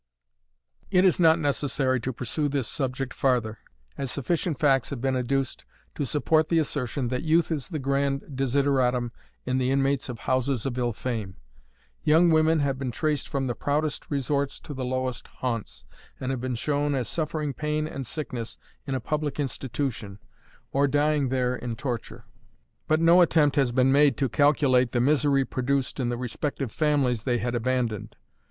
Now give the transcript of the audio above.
It is not necessary to pursue this subject farther, as sufficient facts have been adduced to support the assertion that youth is the grand desideratum in the inmates of houses of ill fame. Young women have been traced from the proudest resorts to the lowest haunts, and have been shown as suffering pain and sickness in a public institution, or dying there in torture. But no attempt has been made to calculate the misery produced in the respective families they had abandoned.